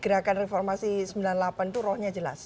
gerakan reformasi sembilan puluh delapan itu rohnya jelas